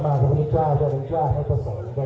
พ่อแม่ครูย่าตายายาทุกหลาย